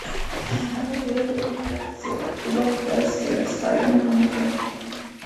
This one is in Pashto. هغې د زړه له کومې د دښته ستاینه هم وکړه.